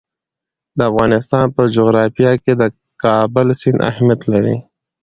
د افغانستان په جغرافیه کې د کابل سیند اهمیت لري.